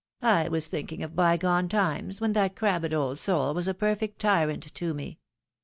" I was thinking of bygone times, when that crabbed old soul was a perfect tyrant to me.